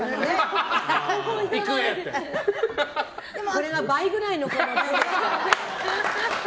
これが倍くらいの手で。